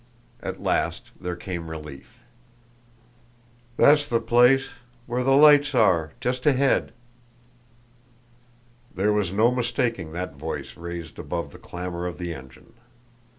At last there came relief. "That's the place, where the lights are just ahead." There was no mistaking that voice raised above the clamor of the engine.